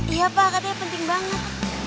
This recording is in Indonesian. iya pak katanya penting banget